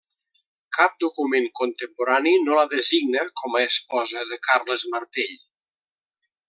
Cap document contemporani no la designa com a esposa de Carles Martell.